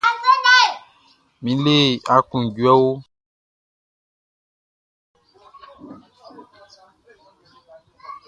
Mi le akloundjouê oh Gnanmien nou.